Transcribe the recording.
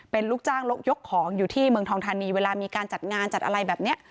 เป็นลูกจ้างยกของอยู่ที่เมืองทองธานีเวลามีการจัดงานจัดอะไรแบบนี้